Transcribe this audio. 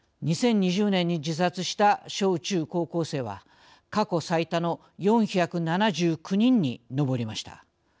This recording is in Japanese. ２０２０年に自殺した小・中・高校生は過去最多の４７９人に上りました。